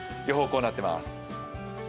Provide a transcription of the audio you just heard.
予報こうなっています。